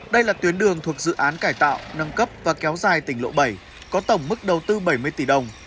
đây là tuyến đường thuộc dự án cải tạo nâng cấp và kéo dài tỉnh lộ bảy có tổng mức đầu tư bảy mươi tỷ đồng